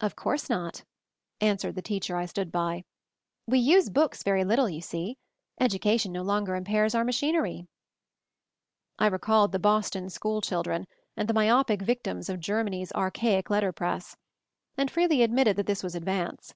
"Of course not," answered the teacher I stood by. "We use books very little, you see. Education no longer impairs our ma chinery." I recalled the Boston school children and the myopic victims of Germany's archaic letter press; and freely admitted that this 1 was advance.